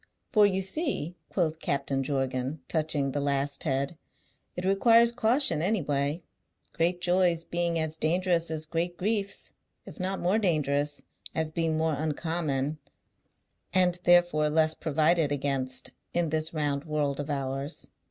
"For you see," quoth Captain Jorgan, touching the last head, "it requires caution any way, great joys being as dangerous as great griefs, if not more dangerous, as being more uncommon (and therefore less provided against) in this round world of ours.